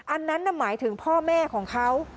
อันนั้นน่ะหมายถึงพ่อแม่ของเขา